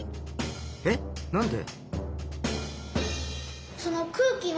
えなんで！？